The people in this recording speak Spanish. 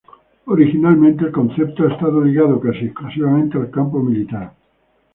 Originalmente el concepto ha estado ligado casi exclusivamente al campo militar.